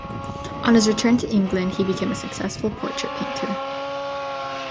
On his return to England, he became a successful portrait painter.